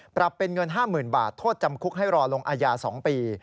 ปรับเป็นเงิน๕๐๐๐บาทโทษจำคุกให้รอลงอาญา๒ปี